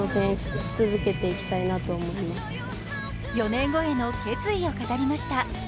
４年後への決意を語りました。